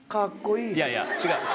いやいや違う違う。